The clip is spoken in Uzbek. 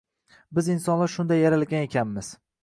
Biz insonlar shunday yaralgan ekanmiz